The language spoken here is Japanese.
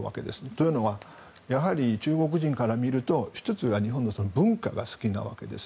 というのは、やはり中国人から見ると１つが日本の文化が好きなわけです。